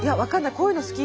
こういうの好き。